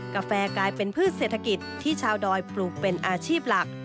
กาแฟกลายเป็นพืชเศรษฐกิจที่ชาวดอยปลูกเป็นอาชีพหลัก